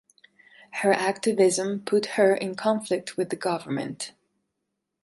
Her activism put her in conflict with the government.